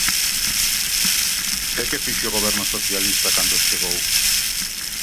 ¿E que fixo o Goberno socialista cando chegou?